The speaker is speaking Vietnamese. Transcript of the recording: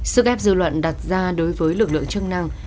sức ép dư luận đặt ra đối với lực lượng chức năng